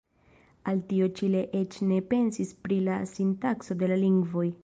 Al tio ĉi li eĉ ne pensis pri la sintakso de la lingvoj.